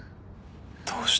どうして？